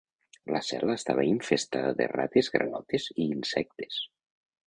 La cel·la estava infestada de rates, granotes i insectes.